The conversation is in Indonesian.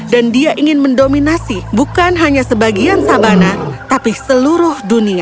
dan dia ingin mendominasi bukan hanya sebagian sabana tapi seluruh dunia